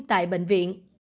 tại bệnh viện